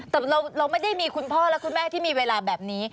แต่เราไม่ได้มีคุณพ่อและคุณแม่ที่มีเวลาแบบนี้